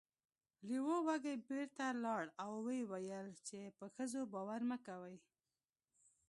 لیوه وږی بیرته لاړ او و یې ویل چې په ښځو باور مه کوئ.